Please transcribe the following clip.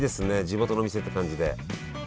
地元の店って感じで。